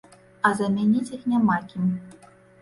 А замяніць іх няма кім.